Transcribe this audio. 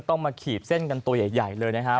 ต้องมาขีดเส้นเงินตัวใหญ่เลยนะครับ